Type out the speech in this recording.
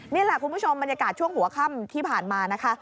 นี่แหละคุณผู้ชมบรรยากาศช่วงหัวค่ำที่ผ่านมานะคะ